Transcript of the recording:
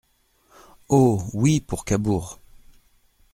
Oh ! oui, pour Cabourg !